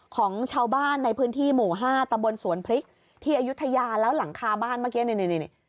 ของชาวบ้านในพื้นที่หมู่ห้าตะบนสวนพริกที่อายุทยาแล้วหลังคาบ้านเมื่อกี้เนี่ยเนี่ยเนี่ยเนี่ย